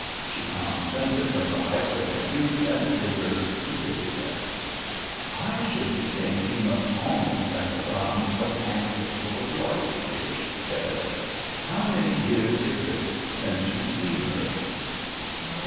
She condescended from the heights of her youth and vigour to pity him. "I should think you must almost have forgotten what Aunt Rachel was like, dear," she said. "How many years is it since you've seen her?"